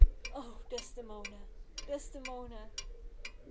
O Desdemona! Desdemona!